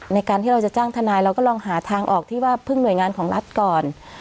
ในการที่เราจะจ้างทนายเราก็ลองหาทางออกที่ว่าพึ่งหน่วยงานของรัฐก่อน